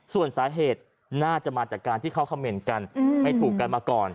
ส่วนสาเหตุน่าจะมาจากการที่เขาคำเมนต์กันไม่ถูกกันมาก่อน